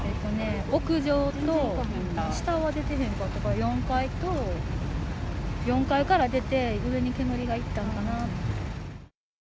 屋上と、下は出てへんかったから、４階と、４階から出て、上に煙が行ったんかなと。